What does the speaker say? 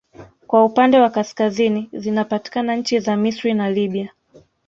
Kwa upande wa kaskazini zinapatikana nchi za Misri na Libya